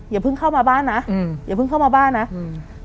อย่าเพิ่งเข้ามาบ้านนะอืมอย่าเพิ่งเข้ามาบ้านนะอืม